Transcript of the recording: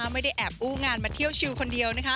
ไม่ได้แอบอู้งานมาเที่ยวชิวคนเดียวนะคะ